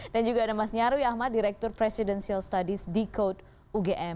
dan juga ada mas nyarwi ahmad direktur presidential studies dekode ugm